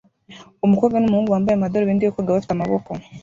Umukobwa n'umuhungu bambaye amadarubindi yo koga bafite amaboko